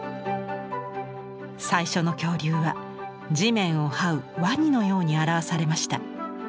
最初の恐竜は地面をはうワニのように表されました。